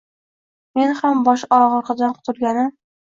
Men ham boshog‘rig‘idan qutulgandim